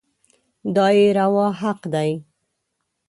دا يې روا حق دی.